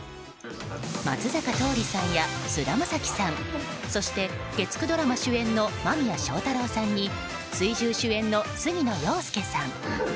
松坂桃李さんや菅田将暉さんそして月９ドラマ主演の間宮祥太朗さんに水１０主演の杉野遥亮さん。